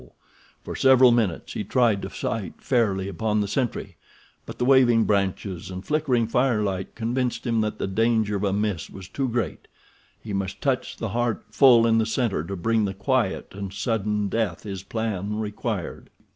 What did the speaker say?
For several minutes he tried to sight fairly upon the sentry, but the waving branches and flickering firelight convinced him that the danger of a miss was too great—he must touch the heart full in the center to bring the quiet and sudden death his plan required.